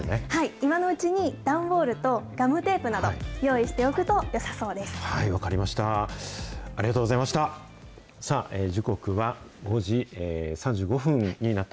今のうちに、段ボールとガムテープなどを用意しておくとよさ分かりました。